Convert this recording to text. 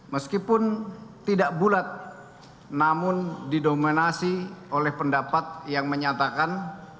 meskipun tidak bulat namun didominasi oleh pendapat yang menyatakan